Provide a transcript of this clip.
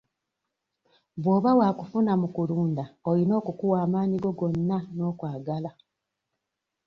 Bw'oba waakufuna mu kulunda oyina okukuwa amaanyi go gonna n'okwagala.